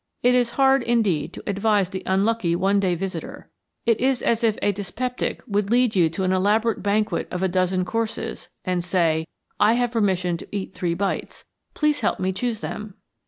It is hard indeed to advise the unlucky one day visitor. It is as if a dyspeptic should lead you to an elaborate banquet of a dozen courses, and say: "I have permission to eat three bites. Please help me choose them."